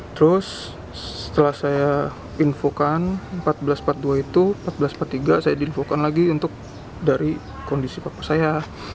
terus setelah saya infokan seribu empat ratus empat puluh dua itu empat belas empat puluh tiga saya diinfokan lagi untuk dari kondisi bapak saya